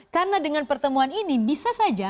karena dengan pertemuan ini bisa saja